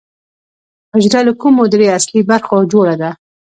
حجره له کومو درېیو اصلي برخو څخه جوړه ده